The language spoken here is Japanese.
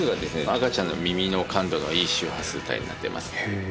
赤ちゃんの耳の感度のいい周波数帯になってます。